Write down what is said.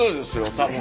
多分。